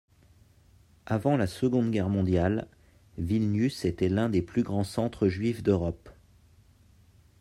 Avant la Seconde Guerre mondiale, Vilnius était l'un des plus grands centres juifs d'Europe.